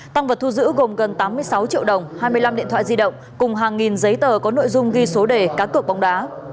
tăng vật thu giữ gồm gần tám mươi sáu triệu đồng hai mươi năm điện thoại di động cùng hàng nghìn giấy tờ có nội dung ghi số đề cá cược bóng đá